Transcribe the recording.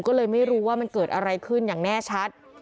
ก็เลยไม่รู้ว่ามันเกิดอะไรขึ้นอย่างแน่ชัด